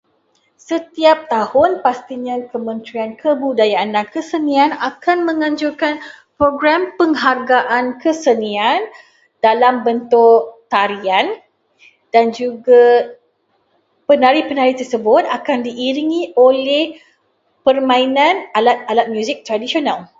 Setiap tahun, pastinya kementerian kebudayaan dan kesenian akan menganjurkan program penghargaan kesenian dalam bentuk tarian dan juga penari-penari tersebut akan diiringi oleh permainan alat-alat muzik tradisional.